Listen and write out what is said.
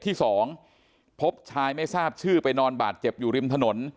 ที่สองพบชายไม่ทราบชื่อไปนอนบาดเจ็บอยู่ริมถนน